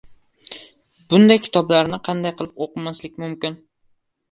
Bunday kitoblarni qanday qilib o‘qimaslik mumkin.